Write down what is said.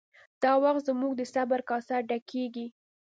دا وخت زموږ د صبر کاسه ډکیږي